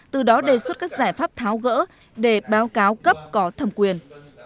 từ đó đề xuất các giải pháp tháo gỡ để báo cáo cấp có thẩm quyền